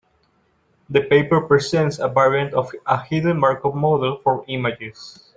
The paper presents a variant of a hidden Markov model for images.